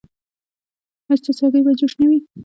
ایا ستاسو هګۍ به جوش نه وي؟